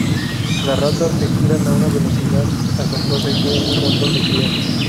Las ratas se giran a una velocidad asombrosa y tienen un montón de crías.